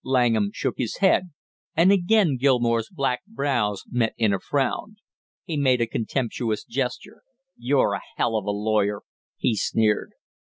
Langham shook his head, and again Gilmore's black brows met in a frown. He made a contemptuous gesture. "You're a hell of a lawyer!" he sneered.